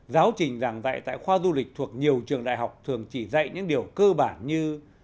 giáo trình giảng dạy tại khoa du lịch thuộc nhiều trường đại học thường chỉ dạy những điều cơ bản như